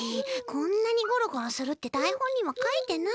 こんなにゴロゴロするって台本にはかいてない。